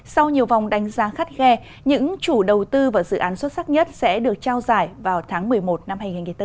sau nhiều vòng đánh giá khắt khe những chủ đầu tư và dự án xuất sắc nhất sẽ được trao giải vào tháng một mươi một năm hai nghìn hai mươi bốn